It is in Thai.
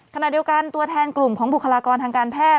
ขณะเดียวกันตัวแทนกลุ่มของบุคลากรทางการแพทย